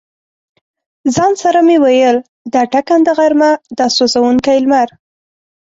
ځان سره مې ویل: دا ټکنده غرمه، دا سوزونکی لمر.